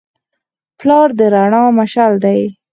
پلار د رڼا مشعل دی.